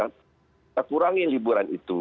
kita kurangi liburan itu